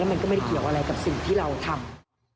มันก็ไม่ได้เกี่ยวอะไรกับสิ่งที่เราทำ